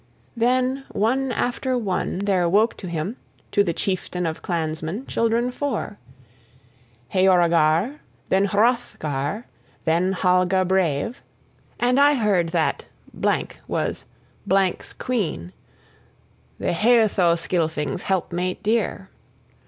Then, one after one, there woke to him, to the chieftain of clansmen, children four: Heorogar, then Hrothgar, then Halga brave; and I heard that was 's queen, the Heathoscylfing's helpmate dear.